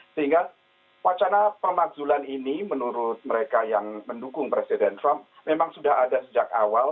sehingga wacana pemakzulan ini menurut mereka yang mendukung presiden trump memang sudah ada sejak awal